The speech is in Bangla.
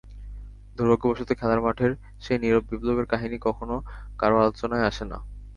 দুর্ভাগ্যবশত খেলার মাঠের সেই নীরব বিপ্লবের কাহিনি কখনো কারও আলোচনায় আসে না।